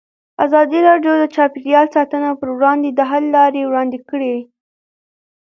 ازادي راډیو د چاپیریال ساتنه پر وړاندې د حل لارې وړاندې کړي.